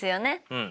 うん。